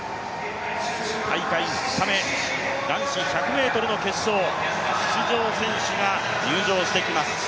大会２日目、男子１００ｍの決勝、出場選手が入場してきます。